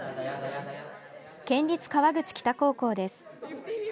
県立川口北高校です。